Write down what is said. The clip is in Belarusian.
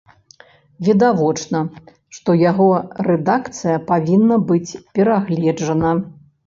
Відавочна, што яго рэдакцыя павінна быць перагледжана.